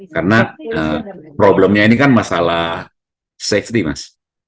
karena problemnya ini kan masalah safety mas